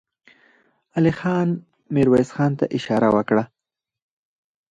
علی خان ميرويس خان ته اشاره وکړه.